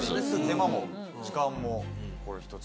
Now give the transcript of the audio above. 手間も時間も。